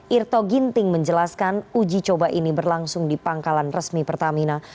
irto ginting menjelaskan uji coba ini berlangsung di pangkalan resmi pertamina